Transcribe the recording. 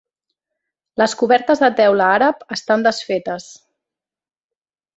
Les cobertes de teula àrab estan desfetes.